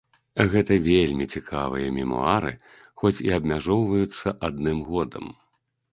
Гэта вельмі цікавыя мемуары, хоць і абмяжоўваюцца адным годам.